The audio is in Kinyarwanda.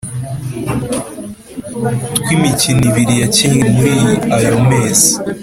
tw’imikino ibiri yakinye muri ayo mezi